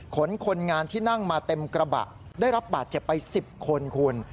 คนคนงานที่นั่งมาเต็มกระบะได้รับบาดเจ็บไป๑๐คนคุณ